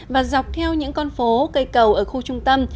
và dọc theo những con phố cây cầu ở khu trung tâm